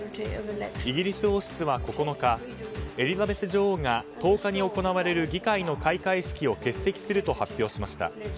イギリス王室は９日エリザベス女王が１０日に行われる議会の開会式を欠席すると発表しました。